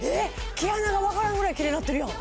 毛穴が分からんぐらいキレイになってるやん